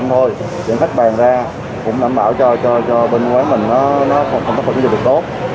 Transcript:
nó không có những gì được tốt